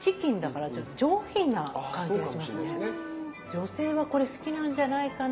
女性はこれ好きなんじゃないかなと。